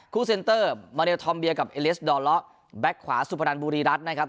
คู่เซนเตอร์มาเรียทอมเบียร์กับเอเลสดอลล้อแบล็คขวาสุพรรณบุรีรัฐนะครับ